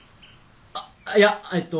あっいやえっと